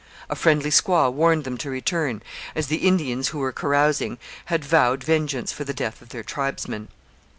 A friendly squaw warned them to return, as the Indians, who were carousing, had vowed vengeance for the death of their tribesmen.